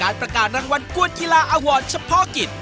สวัสดีครับคุณผู้ชมครับ